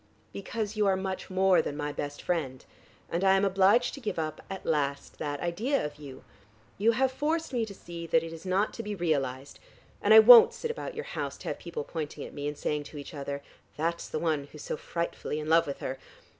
"Because you are much more than my best friend, and I am obliged to give up, at last, that idea of you. You have forced me to see that it is not to be realized. And I won't sit about your house, to have people pointing at me, and saying to each other, 'That's the one who is so frightfully in love with her.'